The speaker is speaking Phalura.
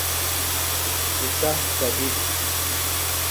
قصہ صہی